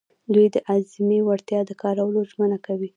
دوی د اعظمي وړتیا د کارولو ژمنه کوي.